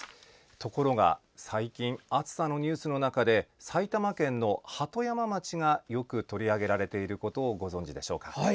ところが最近暑さのニュースの中で埼玉県の鳩山町がよく取り上げられていることをご存じでしょうか。